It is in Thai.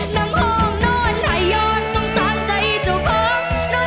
น้ำห้องนอนไหยอ่อนสงสารใจเจ้าพร้อม